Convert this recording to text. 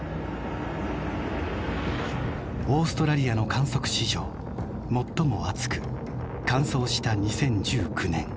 オーストラリアの観測史上最も暑く乾燥した２０１９年。